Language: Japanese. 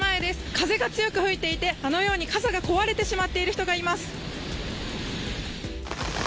風が強く吹いていて、あのように傘が壊れてしまっている人がいます。